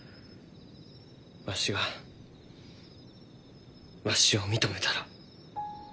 わしがわしを認めたら。